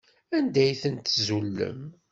Anda ay tent-tzulem?